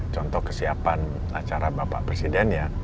contoh kesiapan acara bapak presiden ya